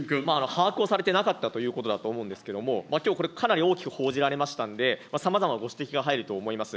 把握をされてなかったということだと思うんですけれども、きょうこれ、かなり大きく報じられましたんで、さまざまご指摘が入ると思います。